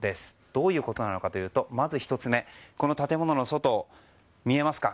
どういうことなのかというとまず１つ目建物の外、見えますか？